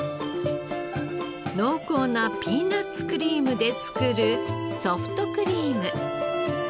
濃厚なピーナッツクリームで作るソフトクリーム。